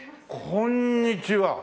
こんにちは。